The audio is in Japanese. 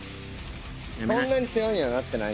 そんなに世話にはなってない。